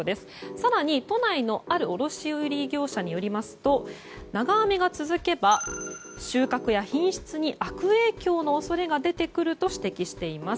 更に、都内のある卸売業者によりますと長雨が続けば、収穫や品質に悪影響の恐れが出てくると指摘しています。